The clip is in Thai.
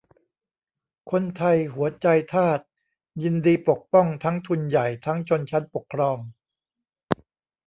คนไทยหัวใจทาสยินดีปกป้องทั้งทุนใหญ่ทั้งชนชั้นปกครอง